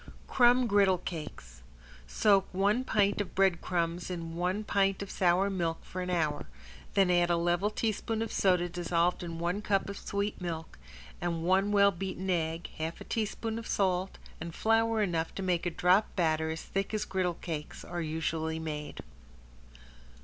~CRUMB GRIDDLE CAKES~ Soak one pint of bread crumbs in one pint of sour milk for an hour, then add a level teaspoon of soda dissolved in one cup of sweet milk, and one well beaten egg, half a teaspoon of salt and flour enough to make a drop batter as thick as griddle cakes are usually made.